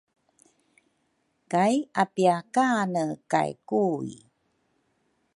kai apiakane kay Kui.